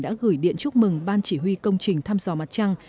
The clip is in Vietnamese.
đã gửi điện chúc mừng ban chỉ huy công trình thăm dò mặt trăng